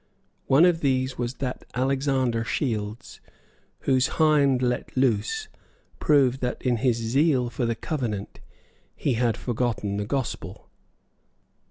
One of these was that Alexander Shields whose Hind Let Loose proves that in his zeal for the Covenant he had forgotten the Gospel.